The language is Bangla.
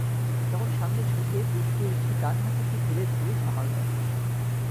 তখন সামনে ঝুঁকে বুক দিয়ে রিকশার ডান হাতলটি ঠেলে ধরে সামাল দেন।